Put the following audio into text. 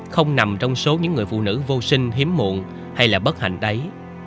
không nằm trong số những người phụ nữ vô sinh hiếm muộn hay là bất hành tấy